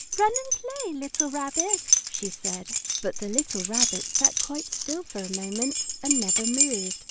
"Run and play, little Rabbit!" she said. But the little Rabbit sat quite still for a moment and never moved.